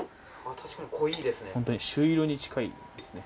確かに濃いですね。